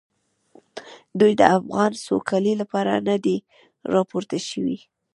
دوی د افغان سوکالۍ لپاره نه دي راپورته شوي.